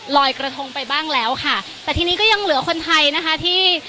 ลอยกระทงไปบ้างแล้วค่ะแต่ทีนี้ก็ยังเหลือคนไทยนะคะที่